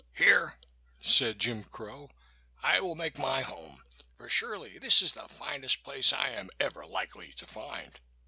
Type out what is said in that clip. "Here," said Jim Crow, "I will make my home; for surely this is the finest place I am ever likely to find."